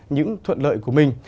những thuận lợi của mình